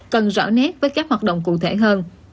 cần rõ nét với các hoạt động cụ thể hơn